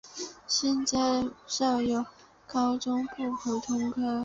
现在设有高中部普通科。